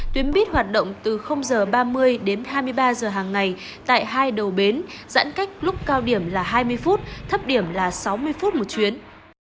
tuyến buýt hoạt động từ h ba mươi đến hai mươi ba giờ hàng ngày tại hai đầu bến giãn cách lúc cao điểm là hai mươi phút thấp điểm là sáu mươi phút một chuyến